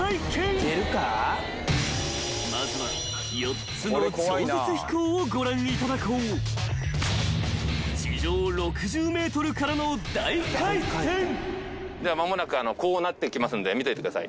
［まずは４つの超絶飛行をご覧いただこう］では間もなくこうなっていきますんで見といてください。